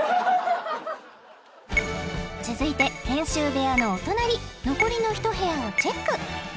続いて編集部屋のお隣残りの１部屋をチェック！